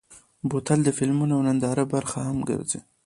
بوتل د فلمونو او نندارو برخه هم ګرځي.